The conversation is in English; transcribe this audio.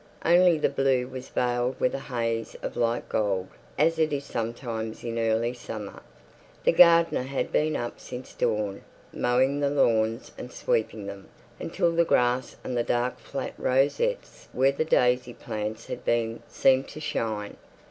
Only the blue was veiled with a haze of light gold, as it is sometimes in early summer. The gardener had been up since dawn, mowing the lawns and sweeping them, until the grass and the dark flat rosettes where the daisy plants had been seemed to shine.